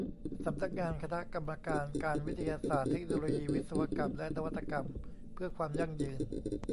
สำนักงานคณะกรรมการการ วิทยาศาสตร์ เทคโนโลยี วิศวกรรม และนวัตกรรม เพื่อความยั่งยืน